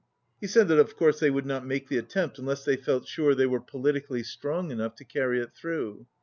He said that of course they would not make the attempt unless they felt sure they were po 136 litically strong enough to carry it through.